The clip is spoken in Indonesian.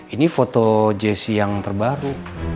ini foto jessi yang terbaru